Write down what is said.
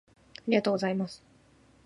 ありがとうございます。